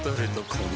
この